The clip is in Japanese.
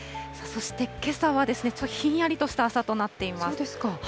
そして、けさはひんやりとした朝となっています。